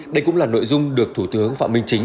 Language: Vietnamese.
đây cũng là nội dung được thủ tướng phạm minh chính